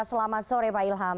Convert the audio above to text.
selamat sore pak ilham